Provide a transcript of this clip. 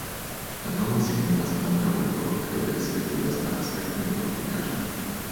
La nomo signifas "blanka burgo" kaj respegulas la aspekton de fortikaĵo.